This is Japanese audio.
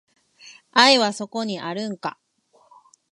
愛はそこにあるんか